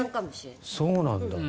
そうなんだ。